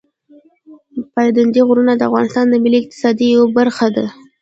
پابندي غرونه د افغانستان د ملي اقتصاد یوه برخه ده.